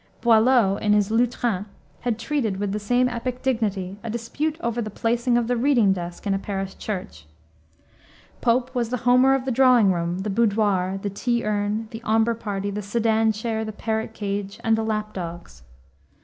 Boileau, in his Lutrin, had treated, with the same epic dignity, a dispute over the placing of the reading desk in a parish church. Pope was the Homer of the drawing room, the boudoir, the tea urn, the omber party, the sedan chair, the parrot cage, and the lap dogs.